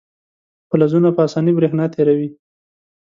فلزونه په اسانۍ برېښنا تیروي.